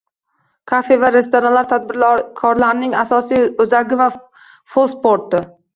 Kafe va restoranlar tadbirkorlarning asosiy oʻzagi va forposti.